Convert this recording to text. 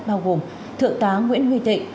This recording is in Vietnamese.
bao gồm thượng tá nguyễn huy tịnh